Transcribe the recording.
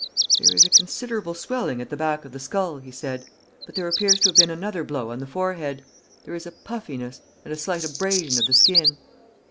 "There is a considerable swelling at the back of the skull," he said. "But there appears to have been another blow on the forehead. There is a puffiness, and a slight abrasion of the skin."